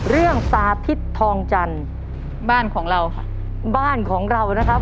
สาธิตทองจันทร์บ้านของเราค่ะบ้านของเรานะครับ